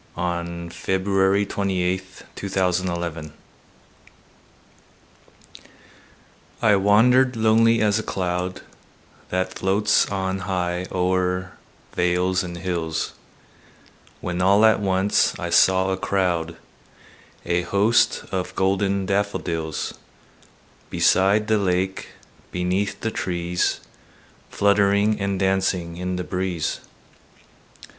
William Wordsworth I Wandered Lonely As a Cloud I WANDERED lonely as a cloud That floats on high o'er vales and hills, When all at once I saw a crowd, A host, of golden daffodils; Beside the lake, beneath the trees, Fluttering and dancing in the breeze.